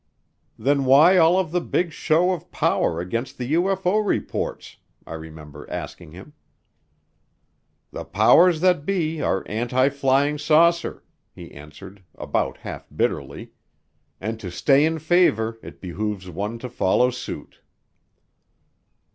"Then why all of the big show of power against the UFO reports?" I remember asking him. "The powers that be are anti flying saucer," he answered about half bitterly, "and to stay in favor it behooves one to follow suit."